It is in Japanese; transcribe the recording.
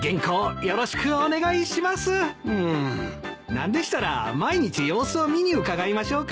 なんでしたら毎日様子を見に伺いましょうか？